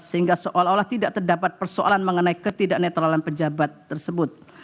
sehingga seolah olah tidak terdapat persoalan mengenai ketidak netralan pejabat tersebut